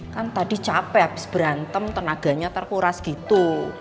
kan tadi capek berantem tenaganya terkuras gitu